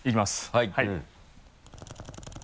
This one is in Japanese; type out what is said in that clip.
はい。